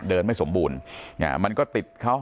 ไม่สมบูรณ์มันก็ติดเขา